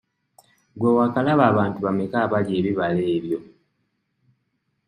Gwe waakalaba abantu bameka abalya ebibala ebyo?